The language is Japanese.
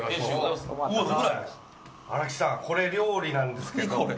荒木さんこれ料理なんですけど。